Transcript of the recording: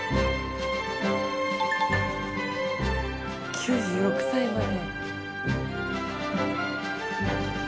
９６歳まで。